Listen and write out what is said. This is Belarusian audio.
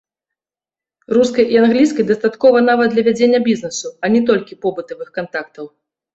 Рускай і англійскай дастаткова нават для вядзення бізнесу, а не толькі побытавых кантактаў.